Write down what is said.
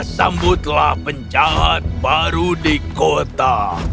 sambutlah penjahat baru di kota